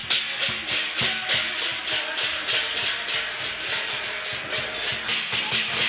ketika peunta keuangan di tinggi sem fortunately semakin cepat menembus kekuatan tempat kisah